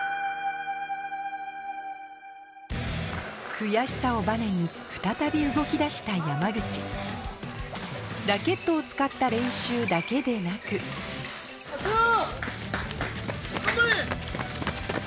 悔しさをバネに再び動きだした山口ラケットを使った練習だけでなく・頑張れ！